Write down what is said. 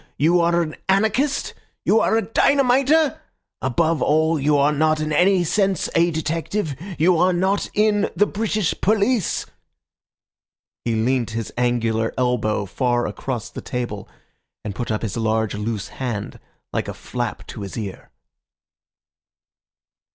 You are an anarchist, you are a dynamiter! Above all, you are not in any sense a detective? You are not in the British police?" He leant his angular elbow far across the table, and put up his large loose hand like a flap to his ear.